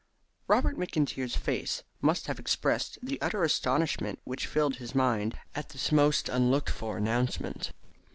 Robert McIntyre's face must have expressed the utter astonishment which filled his mind at this most unlooked for announcement.